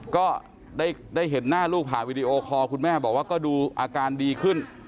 ก็ได้เห็นหน้าลูกผ่านวิดีโอคอลคุณแม่บอกว่าก็ดูอาการดีขึ้น